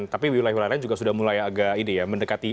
kalau sudah mulai agak mendekati